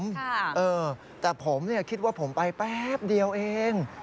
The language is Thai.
ค่ะเออแต่ผมเนี่ยคิดว่าผมไปแป๊บเดียวเอง